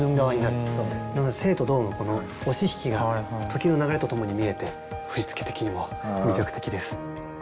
なので「静」と「動」のこの押し引きが時の流れとともに見えて振り付け的にも魅力的です。